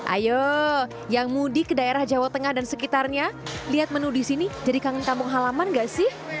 ayo yang mudik ke daerah jawa tengah dan sekitarnya lihat menu di sini jadi kangen kampung halaman nggak sih